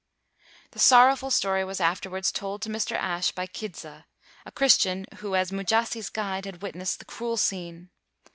The sorrowful story was afterwards told to Mr. Ashe by Kidza, a Christian who as Mujasi 's guide had witnessed the cruel scene.